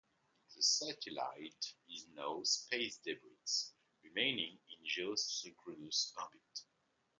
The satellite is now space debris, remaining in geosynchronous orbit.